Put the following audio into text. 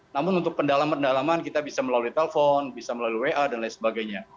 namun untuk pendalaman pendalaman kita bisa melalui telepon bisa melalui wa dan lain sebagainya